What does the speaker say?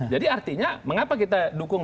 jadi artinya mengapa kita dukung